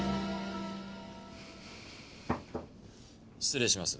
失礼します。